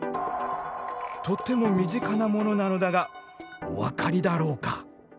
とても身近なものなのだがお分かりだろうか？